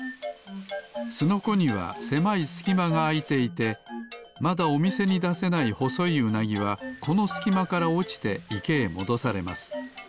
スノコにはせまいすきまがあいていてまだおみせにだせないほそいウナギはこのすきまからおちていけへもどされます。